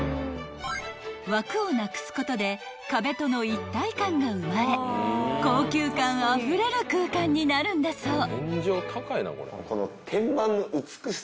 ［枠をなくすことで壁との一体感が生まれ高級感あふれる空間になるんだそう］